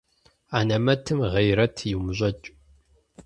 Анэмэтым гъейрэт иумыщӀэкӀ.